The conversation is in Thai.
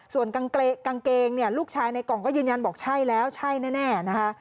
ส่วนกางเกงเนี่ยลูกชายในกล่องก็ยืนยันบอกใช่แล้วใช่แน่นะคะ